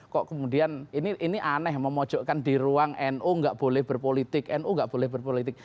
kok kemudian ini aneh memojokkan di ruang nu nggak boleh berpolitik nu gak boleh berpolitik